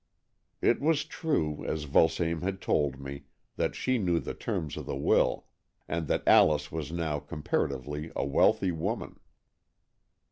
It was true, as Vulsame had told me, that she knew the terms of the will, and that Alice was now comparatively a wealthy woman.